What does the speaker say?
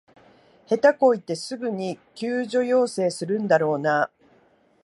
下手こいてすぐに救助要請するんだろうなあ